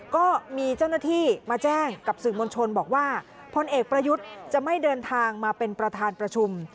ก็มีเจ้าหน้าที่มาแจ้งกับสื่อมวลชนบอกว่าพลเอกประยุทธ์จะไม่เดินทางมาเป็นประธานประชุม